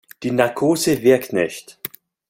Die Narkose wirkt nicht.